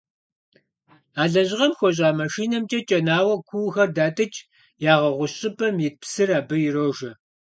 А лэжьыгъэм хуэщӀа машинэмкӀэ кӀэнауэ куухэр датӀыкӀ, ягъэгъущ щӀыпӀэм ит псыр абы ирожэ.